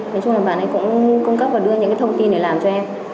nói chung là bạn ấy cũng cung cấp và đưa những cái thông tin để làm cho em